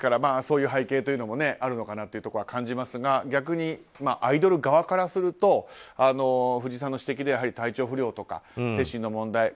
そういう背景というのもあるのかなというところは感じますが逆にアイドル側からすると藤井さんの指摘ではやはり体調不良とか精神の問題